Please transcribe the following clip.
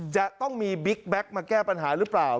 จะต้องมีบิ๊กแก๊กมาแก้ปัญหาหรือเปล่า